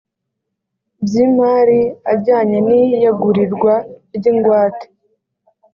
by imari ajyanye n iyegurirwa ry ingwate